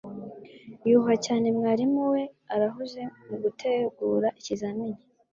Yubaha cyane mwarimu we. Arahuze mugutegura ikizamini.